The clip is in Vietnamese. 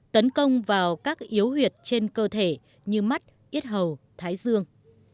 tấn công vào các yếu huyệt trên cơ thể như mắt yết hầu thái dương